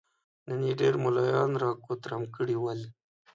نن يې ډېر ملايان را کوترم کړي ول.